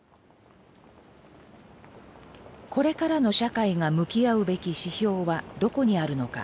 これからの社会が向き合うべき指標はどこにあるのか。